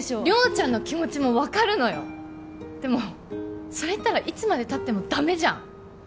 亮ちゃんの気持ちも分かるのよでもそれ言ったらいつまでたってもダメじゃん